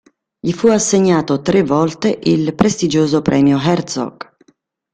Gli fu assegnato tre volte il prestigioso premio Hertzog.